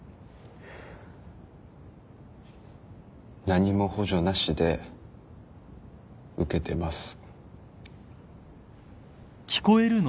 何も補助なしで受けてます。